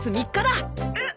えっ？